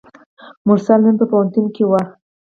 مرسل نن په پوهنتون کې وه.